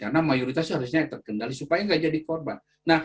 karena mayoritas harus terkendali supaya tidak menjadi korban